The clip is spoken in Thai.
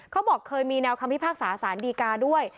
เขาบอกเคยมีแนวคำพิพากษาสารดีกาด้วย